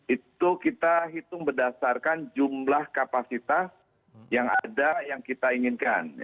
itu kita hitung berdasarkan jumlah kapasitas yang ada yang kita inginkan